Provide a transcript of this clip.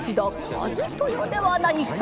「一豊ではないか」。